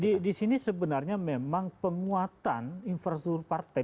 nah di sini sebenarnya memang penguatan infrastruktur partai